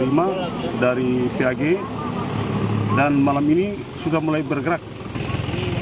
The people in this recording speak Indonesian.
warga akan dievakuasi di desa tonggute ternate dan di lapangan samping pos pengamatan